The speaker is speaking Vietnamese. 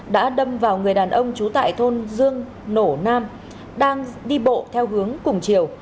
đã đâm vào người đàn ông trú tại thôn dương nổ nam đang đi bộ theo hướng cùng chiều